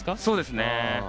そうですね。